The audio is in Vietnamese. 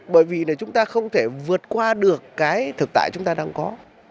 bởi vì là chúng ta không thể vượt qua được cái thực tại chúng ta đang có